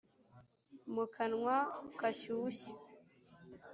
mu kanwa kashushe